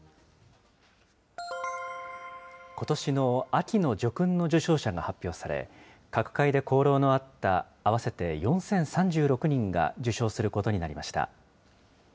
ことしの秋の叙勲の受章者が発表され、各界で功労のあった合わせて４０３６人が受章することになりました。